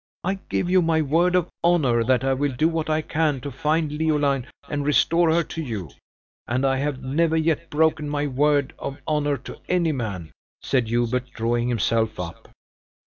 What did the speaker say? I give you my word of honor that I will do what I can to find Leoline and restore her to you; and I have never yet broken my word of honor to any man," said Hubert, drawing himself up.